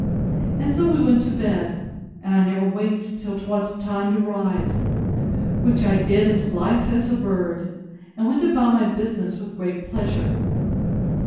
And so we went to bed; and I never waked till 'twas time to rise; which I did as blithe as a bird, and went about my business with great pleasure.